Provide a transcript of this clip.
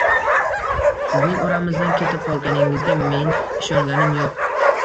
Sizning oramizdan ketib qolganingizga men ishonganim yo‘q.